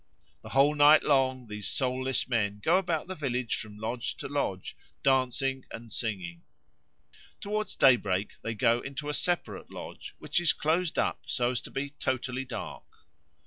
The whole night long these soulless men go about the village from lodge to lodge, dancing and singing. Towards daybreak they go into a separate lodge, which is closed up so as to be totally dark.